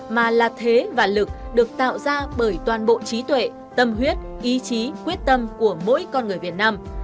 mà là thế và lực được tạo ra bởi toàn bộ trí tuệ tâm huyết ý chí quyết tâm của mỗi con người việt nam